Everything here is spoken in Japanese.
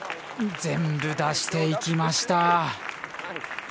全部出していきました。